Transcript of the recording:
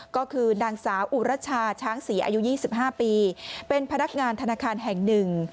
ก็คือนางสาวอุรชาช้างศรีอายุ๒๕ปีเป็นพนักงานธนาคารแห่งหนึ่ง